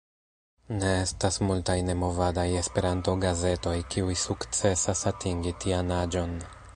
Ne estas multaj nemovadaj Esperanto-gazetoj, kiuj sukcesas atingi tian aĝon.